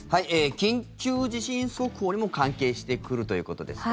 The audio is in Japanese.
緊急地震速報にも関係してくるということですか。